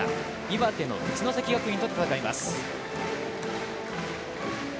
岩手の一関学院と戦います。